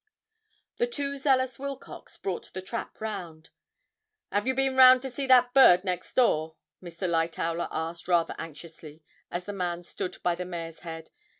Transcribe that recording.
The too zealous Wilcox brought the trap round. ''Ave you been round to see about that bird next door?' Mr. Lightowler asked rather anxiously, as the man stood by the mare's head.